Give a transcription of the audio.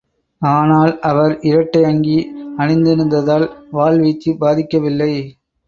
ஆனால் அவர் இரட்டை அங்கி அணிந்திருந்ததால் வாள் வீச்சு பாதிக்கவில்லை.